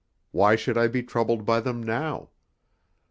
Why should I be troubled by them now?